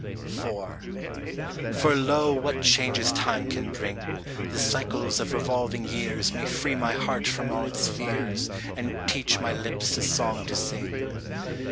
IV FOR lo, what changes time can bring ! The cycles of revolving years May free my heart from all its fears, And teach my lips a song to sing.